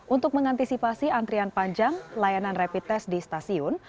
untuk mengantisipasi antrian panjang layanan rapid test di stasiun